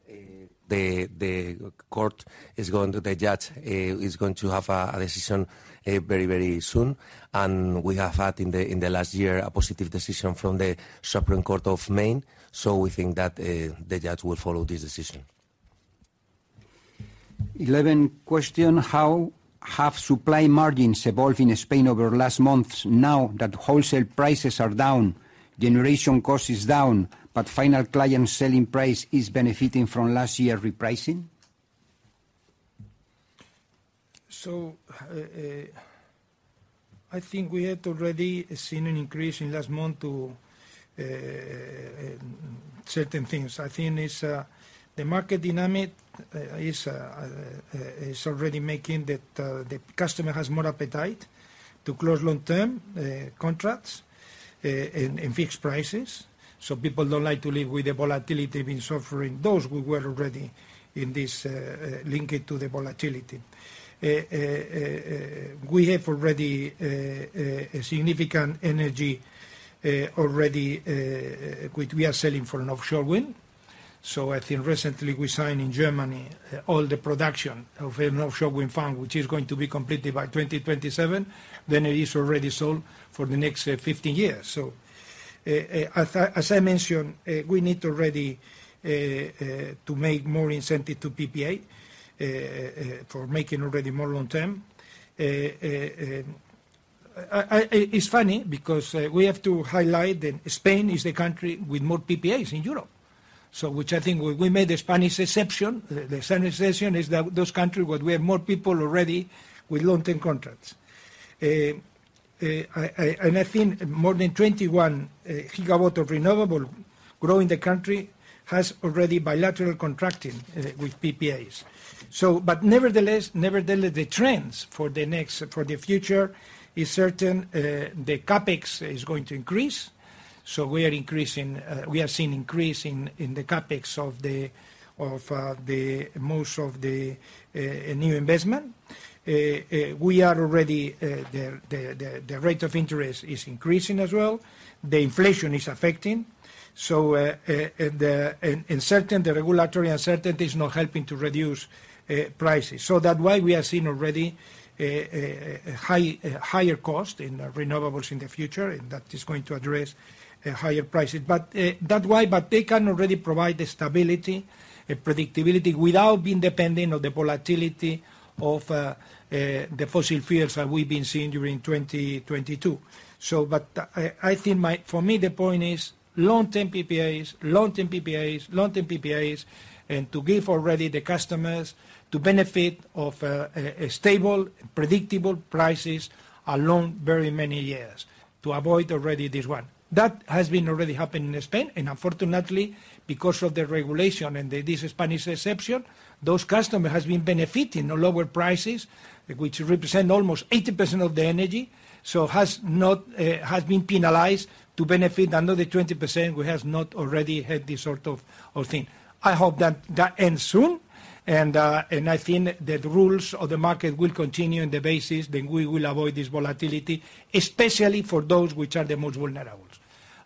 the judge is going to have a decision very, very soon. We have had in the last year a positive decision from the Supreme Court of Maine. We think that the judge will follow this decision. 11 question: How have supply margins evolved in Spain over last months now that wholesale prices are down, generation cost is down, but final client selling price is benefiting from last year repricing? I think we had already seen an increase in last month to certain things. I think it's the market dynamic is already making that the customer has more appetite to close long-term contracts and fixed prices. People don't like to live with the volatility been suffering. Those we were already in this linking to the volatility. We have already a significant energy already, which we are selling for an offshore wind. I think recently we signed in Germany all the production of an offshore wind farm, which is going to be completed by 2027, then it is already sold for the next 50 years. As I mentioned, we need already to make more incentive to PPA for making already more long term. It's funny because we have to highlight that Spain is the country with more PPAs in Europe. Which I think we made the Spanish exception. The Spanish exception is that those country where we have more people already with long-term contracts. I think more than 21 GW of renewable grow in the country has already bilateral contracting with PPAs. Nevertheless, the trends for the next, for the future is certain, the CapEx is going to increase. We are increasing, we are seeing increase in the CapEx of the most of the new investment. We are already, the rate of interest is increasing as well. The inflation is affecting. The regulatory uncertainty is not helping to reduce prices. That why we are seeing already a high, higher cost in renewables in the future, and that is going to address higher prices. That why, but they can already provide the stability and predictability without being dependent on the volatility of the fossil fuels that we've been seeing during 2022. I think for me, the point is long-term PPAs, long-term PPAs, long-term PPAs, and to give already the customers to benefit of a stable, predictable prices a long very many years to avoid already this one. That has been already happening in Spain, and unfortunately, because of the regulation and the, this Spanish exception, those customer has been benefiting the lower prices, which represent almost 80% of the energy. So has not, has been penalized to benefit another 20% who has not already had this sort of thing. I hope that that ends soon, and I think that rules of the market will continue on the basis, then we will avoid this volatility, especially for those which are the most vulnerables.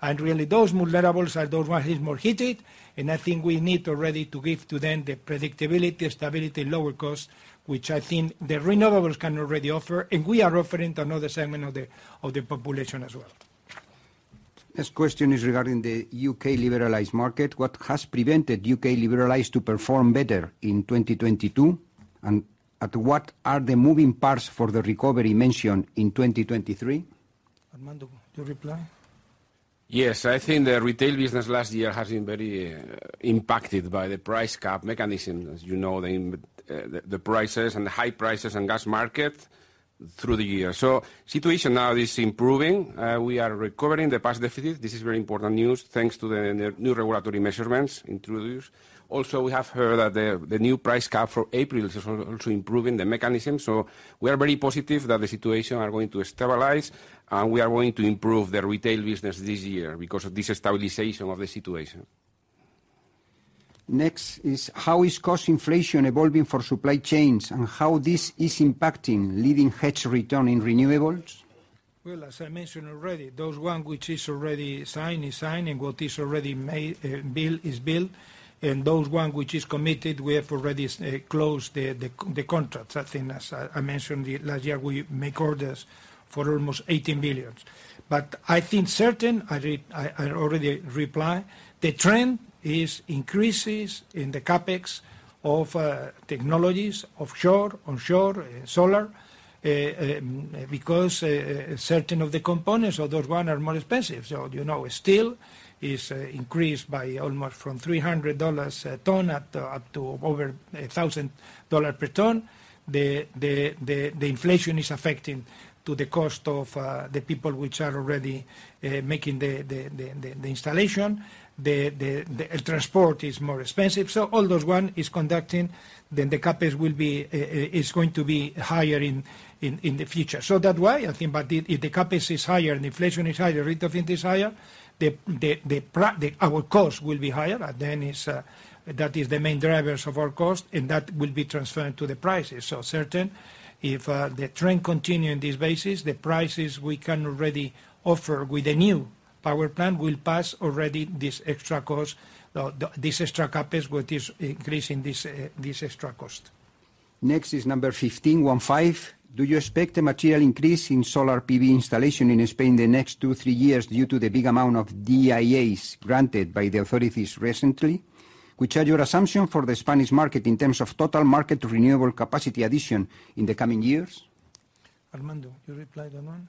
And really, those vulnerables are those one who is more heated, and I think we need already to give to them the predictability, stability, lower cost, which I think the renewables can already offer, and we are offering to another segment of the, of the population as well. Next question is regarding the U.K. Liberalized market. What has prevented UK liberalized to perform better in 2022? At what are the moving parts for the recovery mentioned in 2023? Armando, you reply. Yes. I think the retail business last year has been very impacted by the price cap mechanism. As you know, the prices and the high prices on gas market through the year. Situation now is improving. We are recovering the past deficit. This is very important news, thanks to the new regulatory measurements introduced. Also, we have heard that the new price cap for April is also improving the mechanism. We are very positive that the situation are going to stabilize, and we are going to improve the retail business this year because of this stabilization of the situation. Next is how is cost inflation evolving for supply chains, and how this is impacting leading hedge return in renewables? As I mentioned already, those one which is already signed is signed, and what is already made, built is built. Those one which is committed, we have already closed the contracts. I think as I mentioned last year, we make orders for almost 18 billion. I think certain, I already reply, the trend is increases in the CapEx of technologies, offshore, onshore, solar, because certain of the components of those one are more expensive. You know, steel is increased by almost from $300 a ton up to over $1,000 per ton. The inflation is affecting to the cost of the people which are already making the installation. The transport is more expensive. All those one is conducting. The CapEx will be is going to be higher in, in the future. That why I think, but if the CapEx is higher and inflation is higher, rate of interest is higher, the, the our costs will be higher, and then is that is the main drivers of our cost, and that will be transferred to the prices. Certain, if the trend continue on this basis, the prices we can already offer with the new power plant will pass already this extra cost, the, this extra CapEx what is increasing this extra cost. Next is number 15. 15. Do you expect a material increase in solar PV installation in Spain in the next two, three years due to the big amount of DIAs granted by the authorities recently? Which are your assumption for the Spanish market in terms of total market renewable capacity addition in the coming years? Armando, you reply that one.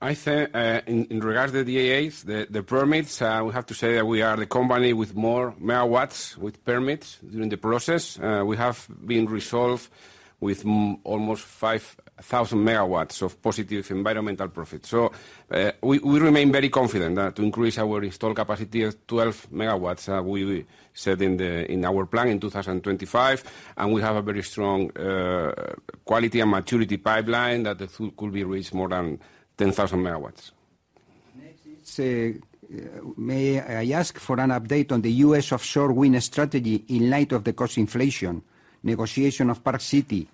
I think, in regards to the DIAs, the permits, we have to say that we are the company with more megawatts with permits during the process. We have been resolved with almost 5,000 megawatts of positive environmental profit. We remain very confident to increase our install capacity of 12 MW, we said in our plan in 2025, and we have a very strong quality and maturity pipeline that could be reached more than 10,000 megawatts. Next is, may I ask for an update on the U.S. offshore wind strategy in light of the cost inflation, negotiation of Park City,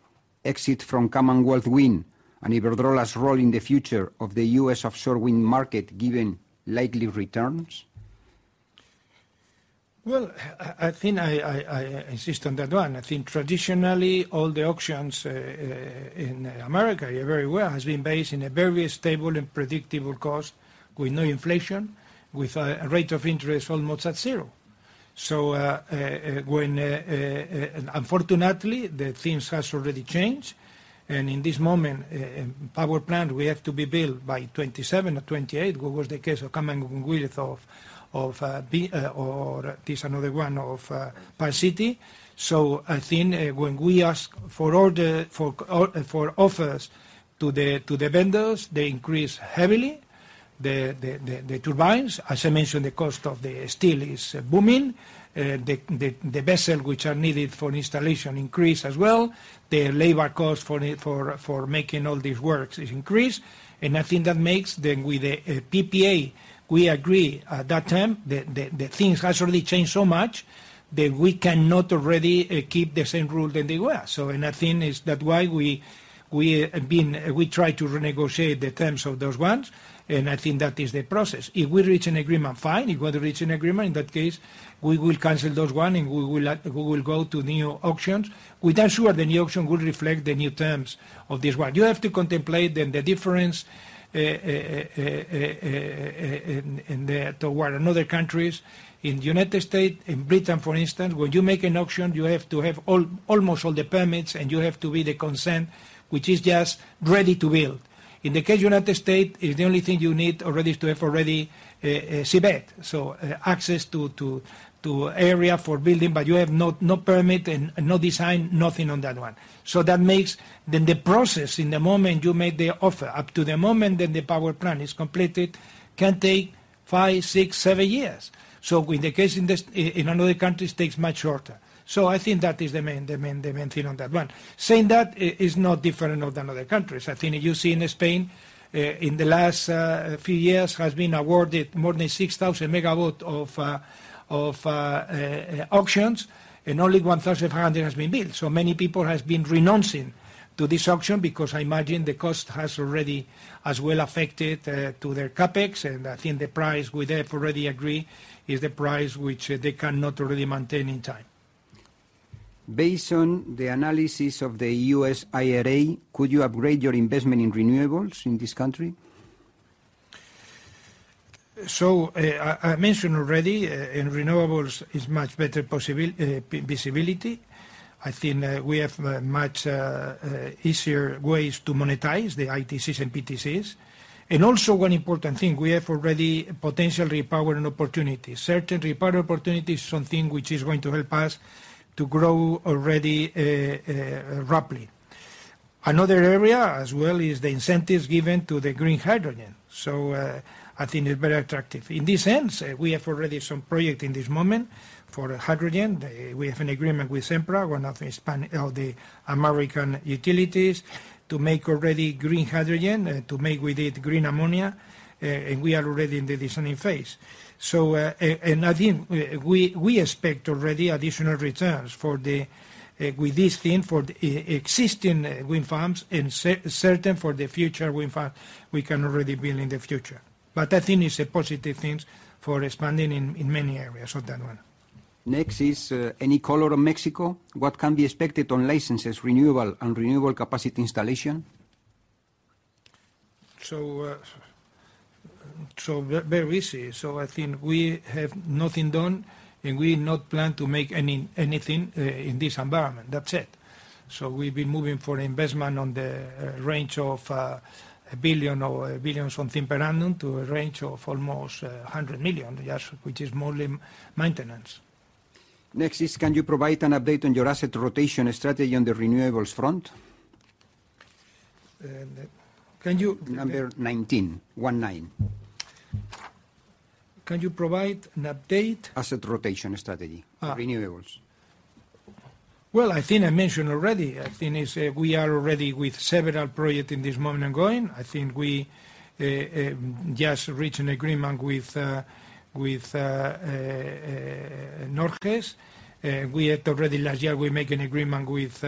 exit from Commonwealth Wind, and Iberdrola's role in the future of the U.S. offshore wind market, given likely returns? I think I insist on that one. I think traditionally all the auctions in America very well has been based in a very stable and predictable cost with no inflation, with a rate of interest almost at zero. Unfortunately, the things has already changed, and in this moment, power plant will have to be built by 2027 or 2028. What was the case of Commonwealth of B or this another one of Park City? I think when we ask for all the for offers to the vendors, they increase heavily the turbines. As I mentioned, the cost of the steel is booming. The vessel which are needed for installation increase as well. The labor cost for it, for making all these works is increased. I think that makes then with the PPA we agree at that time, the things has already changed so much that we cannot already keep the same rule than they were. I think is that why we try to renegotiate the terms of those ones, and I think that is the process. If we reach an agreement, fine. If we don't reach an agreement, in that case, we will cancel those one and we will go to new auctions. With that, sure, the new auction will reflect the new terms of this one. You have to contemplate then the difference in the, toward another countries. In United States, in Britain, for instance, when you make an auction, you have to have all, almost all the permits, and you have to be the consent, which is just ready to build. In the case United States, is the only thing you need already is to have already C-BED. Access to, to area for building, but you have no permit and no design, nothing on that one. That makes then the process in the moment you make the offer, up to the moment then the power plant is completed, can take five, six, seven years. With the case in this, in another countries takes much shorter. I think that is the main, the main, the main thing on that one. Saying that is not different of another countries. I think you see in Spain, in the last few years has been awarded more than 6,000 MW of auctions, and only 1,300 has been built. Many people has been renouncing to this auction because I imagine the cost has already as well affected to their CapEx, and I think the price with that already agree is the price which they cannot really maintain in time. Based on the analysis of the U.S. IRA, could you upgrade your investment in renewables in this country? I mentioned already in renewables is much better visibility. I think we have much easier ways to monetize the ITCs and PTCs. One important thing, we have already potentially power and opportunity. Certainly power opportunity is something which is going to help us to grow already rapidly. Another area as well is the incentives given to the green hydrogen. I think is very attractive. In this sense, we have already some project in this moment for hydrogen. We have an agreement with Sempra, one of the American utilities, to make already green hydrogen, to make with it green ammonia, and we are already in the designing phase. I think we expect already additional returns for the with this thing, for the existing wind farms and certain for the future wind farm we can already build in the future. I think it's a positive thing for expanding in many areas on that one. Next is, any color on Mexico? What can be expected on licenses renewal and renewable capacity installation? very easy. I think we have nothing done, and we not plan to make anything in this environment. That's it. We've been moving for investment on the range of 1 billion or 1 billion something per annum to a range of almost 100 million, yes, which is more maintenance. Next is, can you provide an update on your asset rotation strategy on the renewables front? can you- Number 19. One nine. Can you provide an update? Asset rotation strategy. Renewables. Well, I think I mentioned already, I think is, we are already with several project in this moment ongoing. I think we just reached an agreement with Norges. We had already last year we make an agreement with,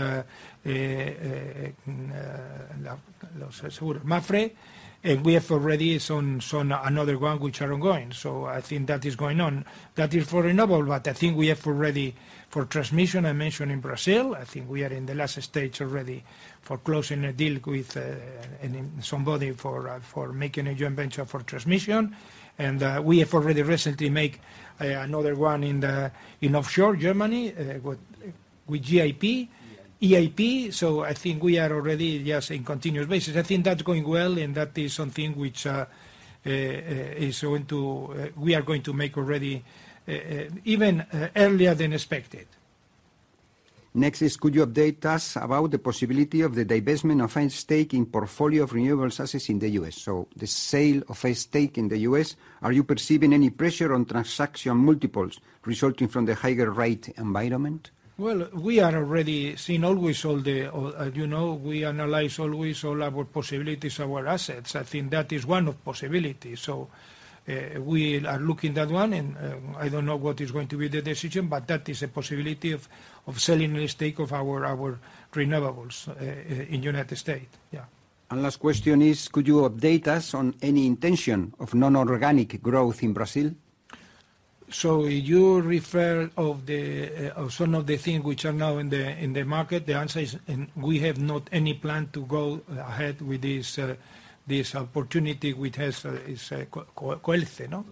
Last question is, could you update us on any intention of non-organic growth in Brazil? You refer of some of the thing which are now in the market. The answer is in we have not any plan to go ahead with this opportunity with this Coelce, no?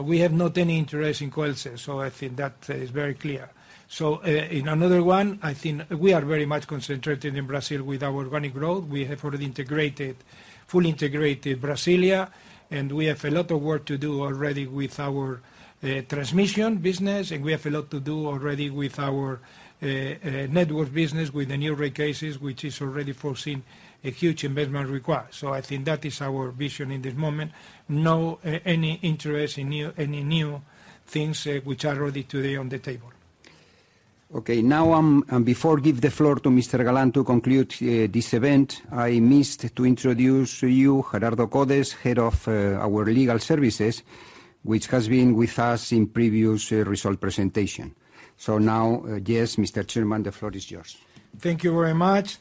We have not any interest in Coelce. I think that is very clear. In another one, I think we are very much concentrated in Brazil with our organic growth. We have already integrated, fully integrated Elektro, and we have a lot of work to do already with our transmission business, and we have a lot to do already with our network business with the new rate cases, which is already foreseen a huge investment required. I think that is our vision in this moment. No, any interest in new, any new things, which are already today on the table. Now, before give the floor to Mr. Galán to conclude this event, I missed to introduce to you Gerardo Codes, Head of our Legal Services, which has been with us in previous result presentation. Now, yes, Mr. Chairman, the floor is yours. Thank you very much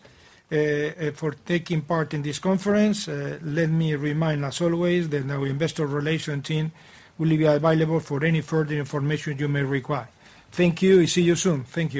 for taking part in this conference. Let me remind as always that our investor relation team will be available for any further information you may require. Thank you, and see you soon. Thank you.